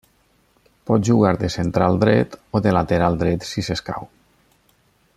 Pot jugar de central dret o de lateral dret si s'escau.